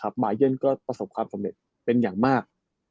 มาเย่นก็ประสบความสำเร็จเป็นอย่างมาก